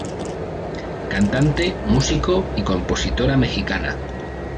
Cantante, músico y compositora mexicana.